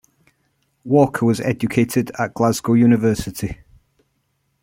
Walker was educated at Glasgow University.